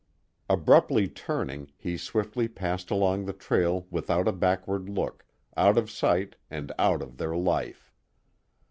Abruptly turning, he swiftly passed along the trail without a backward look, out of sight and out of their life.